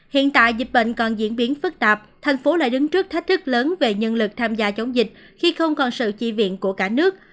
hiện tại dịch bệnh còn diễn biến phức tạp thành phố lại đứng trước thách thức lớn về nhân lực tham gia chống dịch khi không còn sự chi viện của cả nước